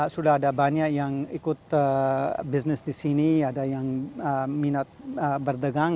sudah ada banyak yang ikut bisnis di sini ada yang minat berdagang